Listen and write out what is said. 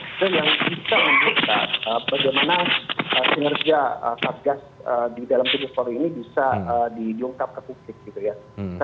itu yang bisa menunjukkan bagaimana pengerja kasus gas di dalam tubuh polri ini bisa diungkap ke publik